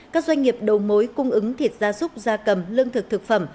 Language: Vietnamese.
các doanh nghiệp đầu mối cung ứng thịt gia súc gia cầm lương thực thực phẩm